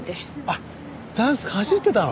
あっダンスかじってたの？